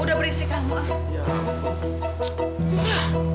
udah berisik kamu ah